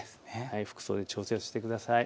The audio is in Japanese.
服装で調節をしてください。